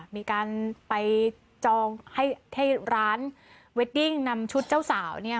มีการไปจองให้ร้านเวดดิ้งนำชุดเจ้าสาวเนี่ย